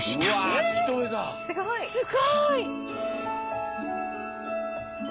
え⁉すごい！